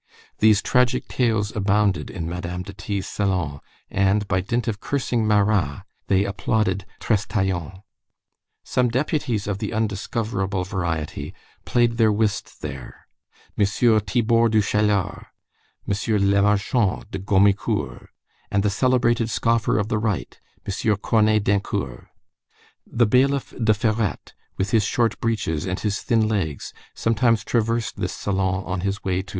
These tragic tales abounded in Madame de T.'s salon, and by dint of cursing Marat, they applauded Trestaillon. Some deputies of the undiscoverable variety played their whist there; M. Thibord du Chalard, M. Lemarchant de Gomicourt, and the celebrated scoffer of the right, M. Cornet Dincourt. The bailiff de Ferrette, with his short breeches and his thin legs, sometimes traversed this salon on his way to M.